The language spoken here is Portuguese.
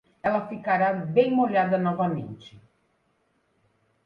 Ela ficará bem molhada novamente.